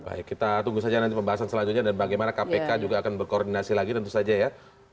baik kita tunggu saja nanti pembahasan selanjutnya dan bagaimana kpk juga akan berkoordinasi lagi tentu saja ya